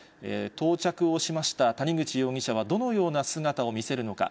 到着をしました谷口容疑者は、どのような姿を見せるのか。